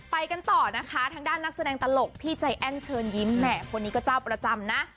ไปกันต่อนะคะทางด้านนักแสดงตลกพี่ใจแอ้นเชิญยิ้มแหม่คนนี้ก็เจ้าประจำนะ